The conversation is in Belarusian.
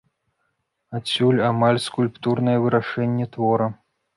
Адсюль амаль скульптурнае вырашэнне твора.